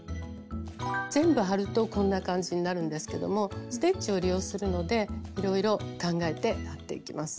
全部貼るとこんな感じになるんですけどもステッチを利用するのでいろいろ考えてやっていきます。